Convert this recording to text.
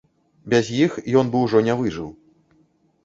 Без іх ён бы ўжо не выжыў.